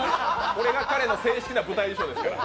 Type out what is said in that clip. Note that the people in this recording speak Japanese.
これが彼の正式な舞台衣装ですから。